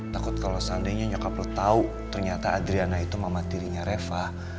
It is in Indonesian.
takut kalau seandainya nyokap lo tahu ternyata adriana itu mama tirinya reva